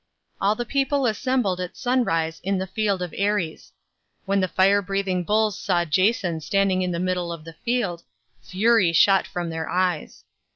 All the people assembled at sunrise in the field of Ares. When the fire breathing bulls saw Jason standing in the middle of the field, fury shot from their eyes.